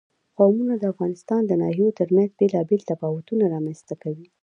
قومونه د افغانستان د ناحیو ترمنځ بېلابېل تفاوتونه رامنځ ته کوي.